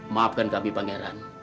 maafkan kami pangeran